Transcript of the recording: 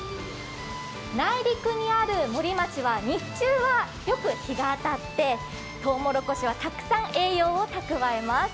内陸にある森町は日中はよく日が当たってとうもろこしはたくさん栄養を蓄えます。